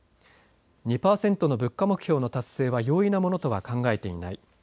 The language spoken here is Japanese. ２％の物価目標の達成は容易なものとは考えていない。